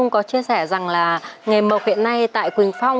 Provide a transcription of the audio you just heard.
có nghề mộc từ xa xưa rồi